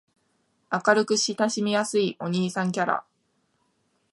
明るく親しみやすいお兄さんキャラ